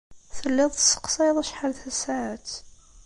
Telliḍ tesseqsayeḍ acḥal tasaɛet.